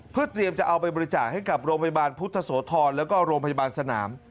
เพื่อเตรียมจะเอาไปบริจาคให้กับโรงพยาบาลพุทธโสธรแล้วก็โรงพยาบาลสนาม